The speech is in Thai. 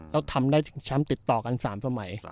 แล้วทำได้แชมป์ติดต่อกัน๓สมัย